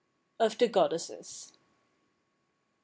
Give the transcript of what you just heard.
OF THE GODDESSES. 36.